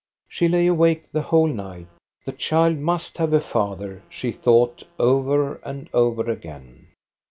She lay awake the whole night. The child must have a father, she thought over and over again.